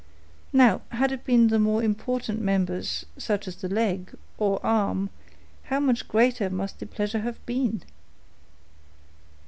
Now, had it been one of the more important members, such as the leg, or arm, how much greater must the pleasure have been!"